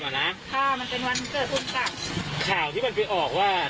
ค่ะมันเป็นวันเกิดภูมิกับข่าวที่มันไปออกว่า